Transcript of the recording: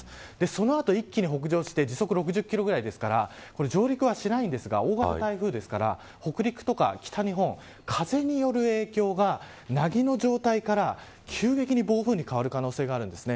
そのあと一気に北上して時速６０キロぐらいですから上陸はしないんですが大型台風ですから北陸とか北日本風による影響がなぎの状態から急激に暴風に変わる可能性があります。